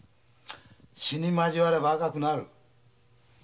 「朱にまじわれば赤くなる」